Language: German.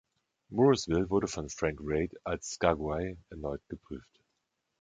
Mooresville wurde von Frank Reid als Skaguay erneut geprüft.